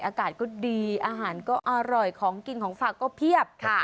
อากาศก็ดีอาหารก็อร่อยของกินของฝากก็เพียบ